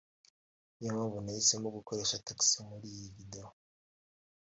niyo mpamvu nahisemo gukoresha Taxi muriyi video